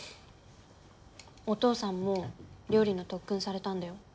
お父さんも料理の特訓されたんだよ。